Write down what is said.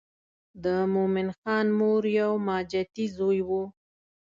د مومن خان مور یو ماجتي زوی و.